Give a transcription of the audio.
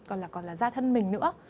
còn là da thân mình nữa